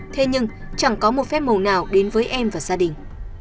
thế nhưng chẳng có một phép màu nào đến với em và gia đình